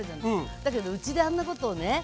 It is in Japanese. だけどうちであんなことをね